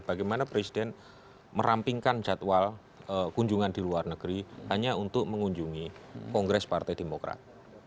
bagaimana presiden merampingkan jadwal kunjungan di luar negeri hanya untuk mengunjungi kongres partai demokrat